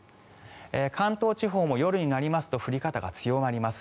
関東地方も夜になりますと降り方が強まります。